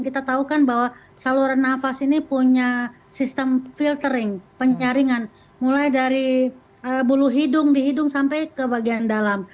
kita tahu kan bahwa saluran nafas ini punya sistem filtering penyaringan mulai dari bulu hidung di hidung sampai ke bagian dalam